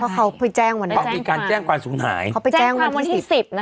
เพราะเขาไปแจ้งวันที่๑๐